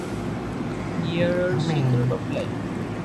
Nearer Secret of Life.